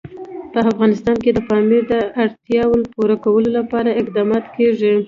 په افغانستان کې د پامیر د اړتیاوو پوره کولو لپاره اقدامات کېږي.